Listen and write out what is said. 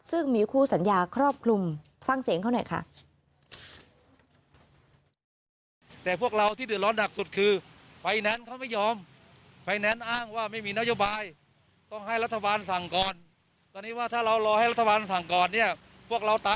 ซึ่งมีคู่สัญญาครอบคลุมฟังเสียงเขาหน่อยค่ะ